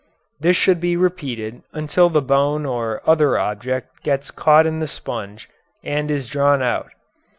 This should be repeated until the bone or other object gets caught in the sponge and is drawn out.